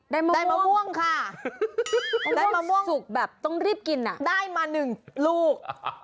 ได้มะม่วงค่ะได้มะม่วงสุกแบบต้องรีบกินอ่ะได้มาหนึ่งลูก